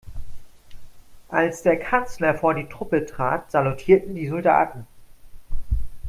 Als der Kanzler vor die Truppe trat, salutierten die Soldaten.